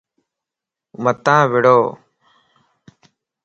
متان وڙو